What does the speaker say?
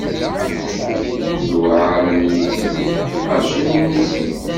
Luɛara n yizem, d tḥerci n yinisi.